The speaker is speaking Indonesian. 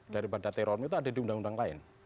daripada terorisme itu ada di undang undang lain